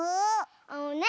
あのね